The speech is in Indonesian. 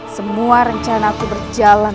semua rencana aku berjalan